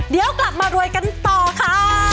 เดี๋ยวกลับมารวยกันต่อค่ะ